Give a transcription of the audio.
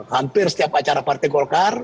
hampir setiap acara partai golkar